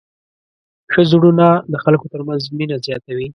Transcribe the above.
ښه زړونه د خلکو تر منځ مینه زیاتوي.